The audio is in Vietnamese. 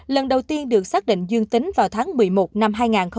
lần đầu tiên được xác định dương tính vào tháng một mươi một năm hai nghìn hai mươi